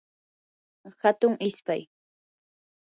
hatun ispay